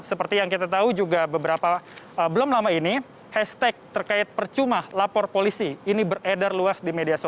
seperti yang kita tahu juga beberapa belum lama ini hashtag terkait percuma lapor polisi ini beredar luas di media sosial